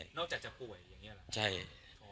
นอกจากจะป่วยอย่างนี้ล่ะ